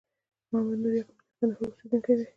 محمد نور یعقوبی د کندهار ولایت اوسېدونکی دي